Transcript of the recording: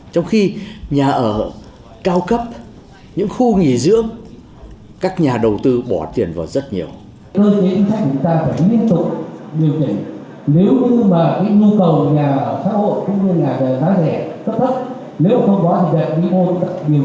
trong khi chúng ta có thể tìm ra một cái nhà ở trong người có thu nhập thấp vẫn còn thiếu soát nhiều